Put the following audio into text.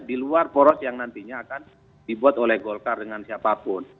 di luar poros yang nantinya akan dibuat oleh golkar dengan siapapun